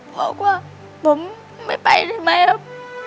บอกว่าผมไม่ไปได้ไหมครับ